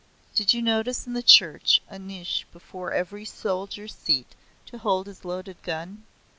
Did you notice in the church a niche before every soldier's seat to hold his loaded gun?